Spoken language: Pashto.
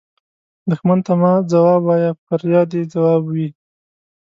دښمن ته مه ځواب وایه، بریا دې ځواب وي